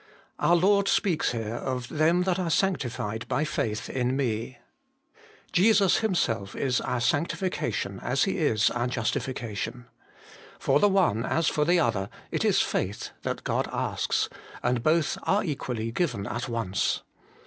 Our Lord speaks here of ' them that are sancti fied by faith in me.' l He Himself is our Sanctifi cation as He is our Justification : for the one as for the other it is faith that God asks, and both are equally given at once.